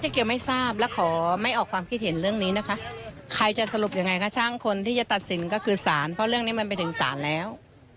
เกียวไม่ทราบและขอไม่ออกความคิดเห็นเรื่องนี้นะคะใครจะสรุปยังไงคะช่างคนที่จะตัดสินก็คือสารเพราะเรื่องนี้มันไปถึงศาลแล้ว